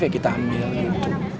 yang kita ambil gitu